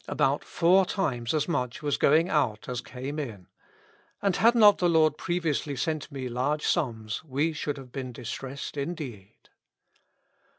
about four times as much was going out as came in ; and, had not the L,ord previously sent me large sums, we should have been distressed indeed.